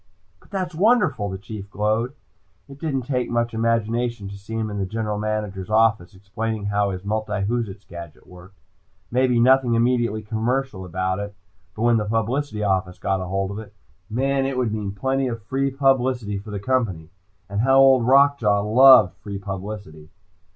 "But that's wonderful," the Chief glowed. It didn't take much imagination to see him in the General Manager's office explaining how his multiwhoozits gadget worked. Maybe nothing immediately commercial about it, but when the publicity office got hold of it man, it would mean plenty of free publicity for the Company. And how Old Rock Jaw loved free publicity!